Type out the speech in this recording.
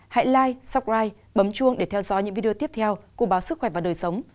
hãy like subscribe bấm chuông để theo dõi những video tiếp theo của báo sức khỏe và đời sống